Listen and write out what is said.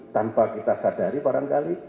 tanpa kita sadari barangkali